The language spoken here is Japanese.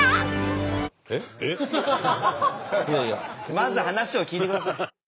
まず話を聞いてください。